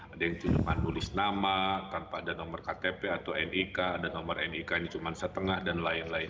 ada yang cuma nulis nama tanpa ada nomor ktp atau nik ada nomor nik ini cuma setengah dan lain lain